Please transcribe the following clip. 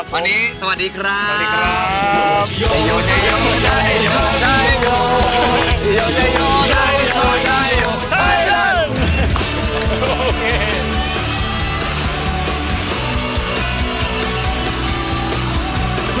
วันนี้สวัสดีครับ